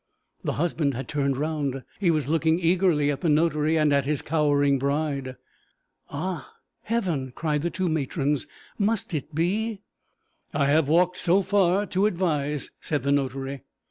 The husband had turned round; he was looking eagerly at the notary and at his cowering bride. 'Ah, Heaven!' cried the two matrons, 'must it be?' 'I have walked so far to advise,' said the notary.